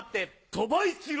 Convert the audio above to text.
鳥羽一郎。